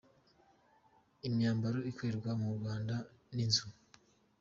Imyambaro ikorerwa mu Rwanda n’inzu.